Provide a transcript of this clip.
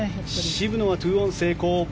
渋野は２オン成功。